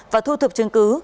và thu thập chứng cứ